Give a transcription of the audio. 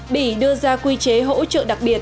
bỉ đưa ra quy chế hỗ trợ đặc biệt